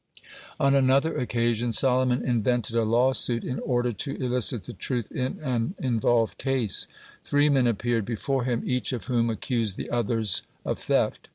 (29) On another occasion Solomon invented a lawsuit in order to elicit the truth in an involved case. Three men appeared before him, each of whom accused the others of theft.